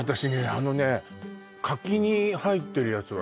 あのね柿に入ってるやつはね